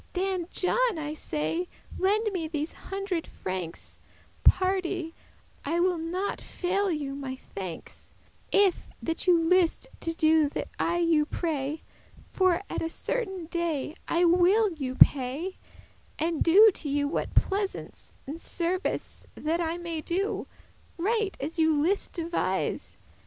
* *die Dan John, I say, lend me these hundred francs; Pardie, I will not faile you, *my thanks,* *if I can help it* If that you list to do that I you pray; For at a certain day I will you pay, And do to you what pleasance and service That I may do, right as you list devise.